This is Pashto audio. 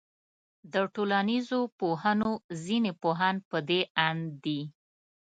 د ټولنيزو پوهنو ځيني پوهان پدې آند دي